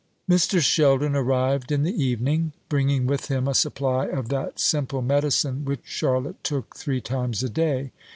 Mr. Sheldon arrived in the evening, bringing with him a supply of that simple medicine which Charlotte took three times a day.